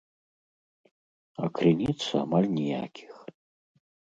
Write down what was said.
А крыніц амаль ніякіх.